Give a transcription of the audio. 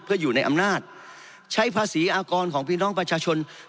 เพื่ออยู่ในอำนาจใช้ภาษีอากรของพี่น้องประชาชน